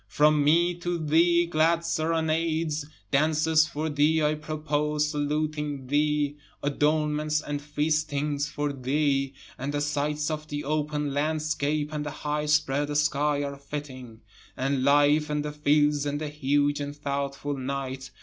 From me to thee glad serenades, Dances for thee I propose saluting thee, adornments and feastings for thee, And the sights of the open landscape and the high spread sky are fitting, And life and the fields, and the huge and thoughtful night.